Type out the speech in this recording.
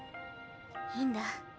いいんだ。